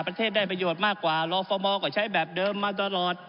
ประเทศได้ประโยชน์มากกว่ารอฟอร์มอลก็ใช้แบบเดิมมาตลอด